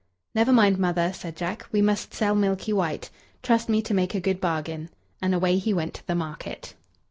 "Never mind, mother," said Jack. "We must sell Milky White. Trust me to make a good bargain," and away he went to the market.